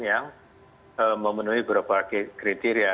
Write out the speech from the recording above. yang memenuhi beberapa kriteria